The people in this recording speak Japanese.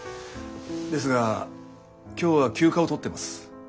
ですが今日は休暇を取ってます。